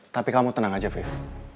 tapi kamu tenang aja vive